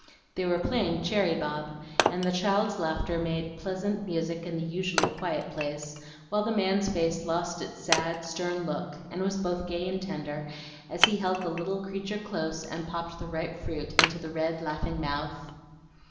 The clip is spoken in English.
They were playing cherry bob; and the child's laughter made pleasant music in the usually quiet place, while the man's face lost its sad, stern look, and was both gay and tender, as he held the little creature close, and popped the ripe fruit into the red, laughing mouth.